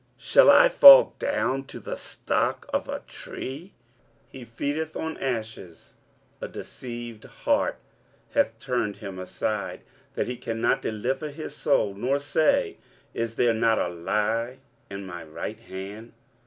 shall I fall down to the stock of a tree? 23:044:020 He feedeth on ashes: a deceived heart hath turned him aside, that he cannot deliver his soul, nor say, Is there not a lie in my right hand?